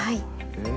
へえ。